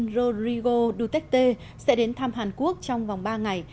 rodrigo duterte sẽ đến thăm hàn quốc trong vòng ba ngày